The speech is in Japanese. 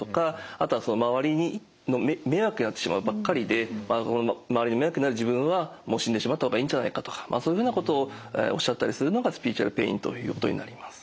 あとは「周りの迷惑になってしまうばっかりで周りの迷惑になる自分はもう死んでしまった方がいいんじゃないか」とかそういうふうなことをおっしゃったりするのがスピリチュアルペインということになります。